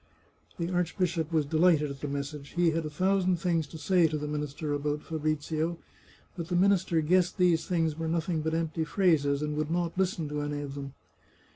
The archbishop was de lighted at the message. He had a thousand things to say to the minister about Fabrizio; but the minister guessed these things were nothing but empty phrases, and would not listen to any of them.